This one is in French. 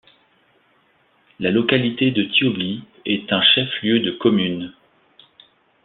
La localité de Tiobly est un chef-lieu de commune.